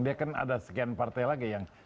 dia kan ada sekian partai lagi yang